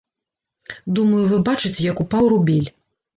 Думаю, вы бачыце, як упаў рубель.